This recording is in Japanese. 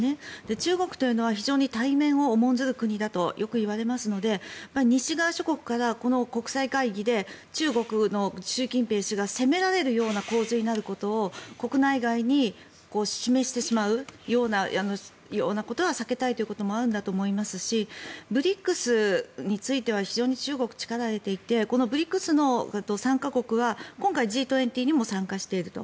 中国というのは非常に体面を重んじる国だとよくいわれますので西側諸国からこの国際会議で中国の習近平氏が責められるような構図になることを国内外に示してしまうようなことは避けたいということもあるんだと思いますしＢＲＩＣＳについては非常に中国は力を入れていてＢＲＩＣＳの参加国は今回Ｇ２０にも参加していると。